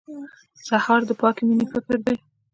سهار د پاکې مېنې فکر دی.